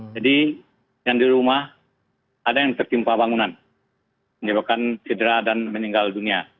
jadi yang di rumah ada yang terkimpa bangunan menyebabkan cedera dan meninggal dunia